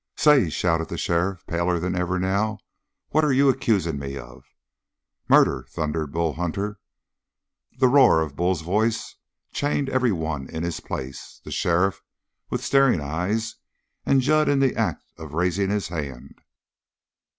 "Say," shouted the sheriff, paler than ever now, "what are you accusing me of?" "Murder!" thundered Bull Hunter. The roar of Bull's voice chained every one in his place, the sheriff with staring eyes, and Jud in the act of raising his hand.